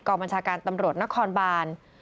บัญชาการตำรวจนครบาน